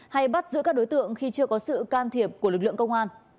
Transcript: hay bắt giữa các đối tượng khi chưa có sự can thiệp của lực lượng